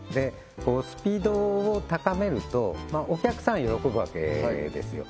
スピードを高めるとお客さんは喜ぶわけですよ